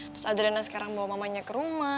terus adrena sekarang bawa mamanya ke rumah